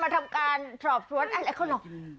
ทำการสอบสวนอะไรเขาหรอก